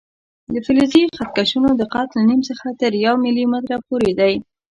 د فلزي خط کشونو دقت له نیم څخه تر یو ملي متره پورې دی.